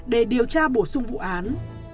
để điều tra bổ sung vụ án